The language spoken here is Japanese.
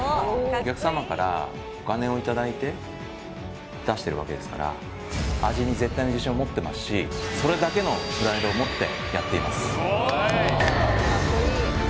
お客様からお金を頂いて出してるわけですからを持ってますしそれだけのプライドを持ってやっています